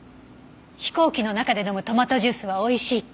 飛行機の中で飲むトマトジュースはおいしいって。